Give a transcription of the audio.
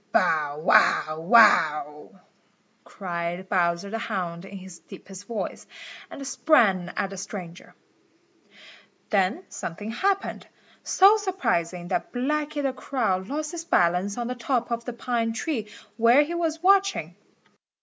"Bow, wow, wow!" cried Bowser the Hound in his deepest voice, and sprang at the stranger. Then something happened, so surprising that Blacky the Crow lost his balance on the top of the pine where he was watching.